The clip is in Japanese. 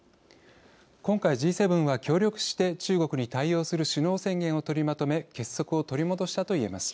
今回、Ｇ７は協力して中国に対応する首脳宣言を取りまとめ結束を取り戻したといえます。